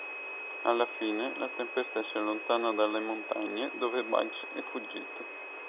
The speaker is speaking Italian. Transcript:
Alla fine, la tempesta si allontana dalle montagne dove Bugs è fuggito.